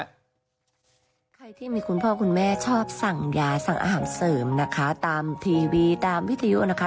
ใครที่มีคุณพ่อคุณแม่ชอบสั่งยาสั่งอาหารเสริมนะคะตามทีวีตามวิทยุนะคะ